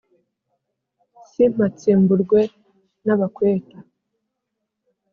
Simpatsimburwe n'abakweta!"